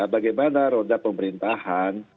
bagaimana roda pemerintahan